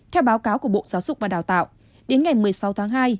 theo báo cáo của bộ giáo dục và đào tạo đến ngày một mươi sáu tháng hai